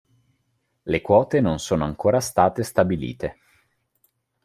Le quote non sono ancora state stabilite.